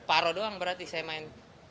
paro doang berarti saya main